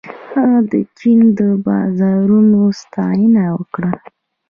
هغه د چین د بازارونو ستاینه وکړه.